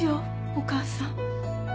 お母さん。